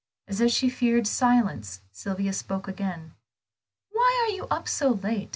As if she feared silence, Sylvia soon spoke again. "Why are you up so late?